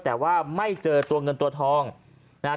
แต่ว่าไม่เจอตัวเงินตัวทองนะครับ